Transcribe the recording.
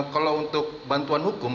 kalau untuk bantuan hukum